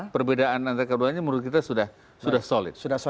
perbedaan antara keduanya menurut kita sudah solid